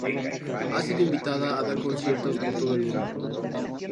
Ha sido invitada a dar conciertos por todo el mundo.